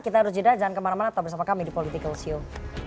kita harus jeda jangan kemana mana tetap bersama kami di political show